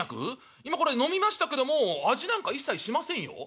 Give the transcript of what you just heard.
今これのみましたけども味なんか一切しませんよ」。